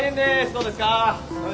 どうですか？